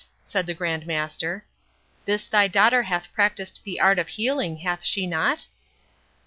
said the Grand Master. "This thy daughter hath practised the art of healing, hath she not?"